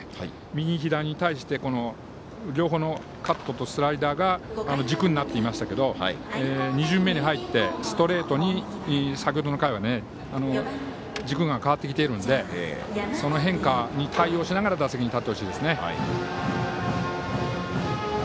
右左に対して両方のカットとスライダーが軸になっていましたけど２巡目に入ってストレートに、先程の回は軸が変わってきているんでその変化に対応しながら打席に立ってほしいですね。